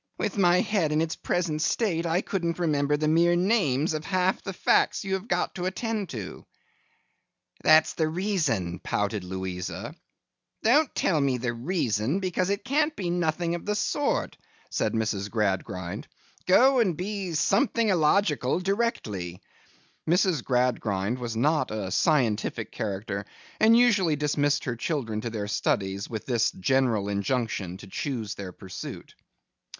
With my head in its present state, I couldn't remember the mere names of half the facts you have got to attend to.' 'That's the reason!' pouted Louisa. 'Don't tell me that's the reason, because it can't be nothing of the sort,' said Mrs. Gradgrind. 'Go and be somethingological directly.' Mrs. Gradgrind was not a scientific character, and usually dismissed her children to their studies with this general injunction to choose their pursuit.